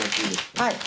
はい。